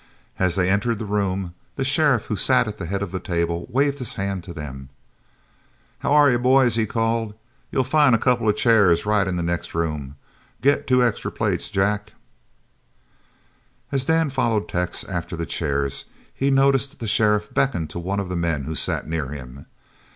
As they entered the room the sheriff, who sat at the head of the table, waved his hand to them. "H'ware ye, boys?" he called. "You'll find a couple of chairs right in the next room. Got two extra plates, Jac?" As Dan followed Tex after the chairs he noticed the sheriff beckon to one of the men who sat near him.